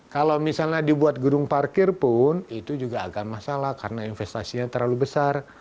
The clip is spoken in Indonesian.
kalau misalnya dibuat gedung parkir pun itu juga akan masalah karena investasinya terlalu besar